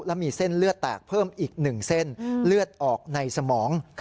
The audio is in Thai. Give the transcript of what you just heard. และมีเส้นเลือดแตกเพิ่มอีก๑เส้นเลือดออกในสมอง